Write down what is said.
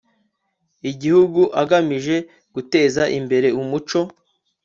igihugu agamije guteza imbere umuco